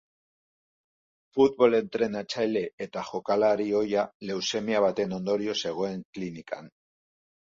Futbol entrenatzaile eta jokalari ohia leuzemia baten ondorioz zegoen klinikan.